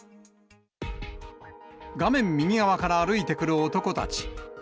画面右側から歩いてくる男たち。